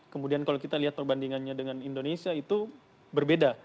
kemudian kalau kita lihat perbandingannya dengan indonesia itu berbeda